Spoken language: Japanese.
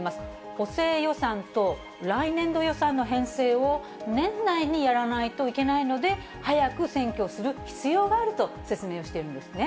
補正予算と来年度予算の編成を、年内にやらないといけないので、早く選挙をする必要があると説明をしているんですね。